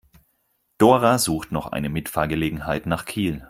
Dora sucht noch eine Mitfahrgelegenheit nach Kiel.